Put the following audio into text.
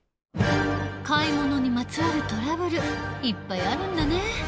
買い物にまつわるトラブルいっぱいあるんだね。